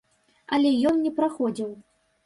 Але ён не праходзіў.